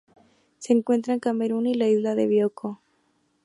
Se encuentra en Camerún y la isla de Bioko.